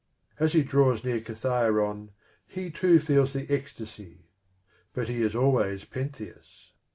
As he draws near Kithairon, he too feels the ecstasy ; but he is always Pentheus.